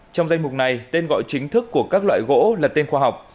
trong danh mục này tên gọi chính thức của các loại gỗ là tên khoa học